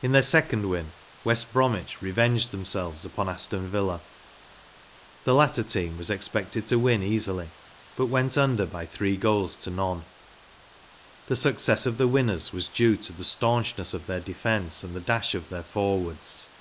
In their second win West Bromwich revenged themselves upon Aston Villa* The latter team was expected to win easily, but went under by three goals to none. The success of the winners w T as due to the staunchness of their defence and the dash of their forwards.